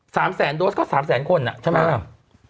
สามแสนโดสก็สามแสนคนอ่ะใช่ไหม